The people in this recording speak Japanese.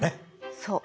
そう。